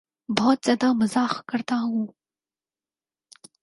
بہت زیادہ مزاح کرتا ہوں